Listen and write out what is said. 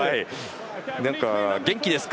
元気ですか？